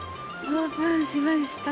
オープンしました。